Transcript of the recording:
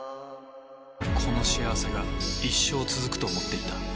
この幸せが一生続くと思っていた。